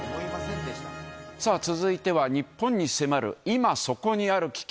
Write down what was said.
さあ続いては、日本に迫る今そこにある危機。